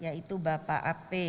yaitu bapak a p batubara